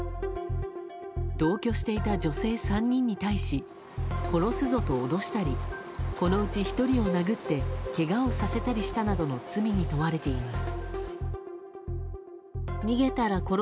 同居していた女性３人に対し殺すぞと脅したりこのうち１人を殴ってけがをさせたりしたなどの罪に問われています。